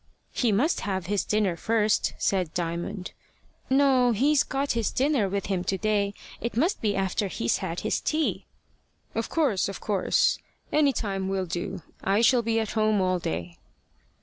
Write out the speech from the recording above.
"He must have his dinner first," said Diamond. "No, he's got his dinner with him to day. It must be after he's had his tea." "Of course, of course. Any time will do. I shall be at home all day."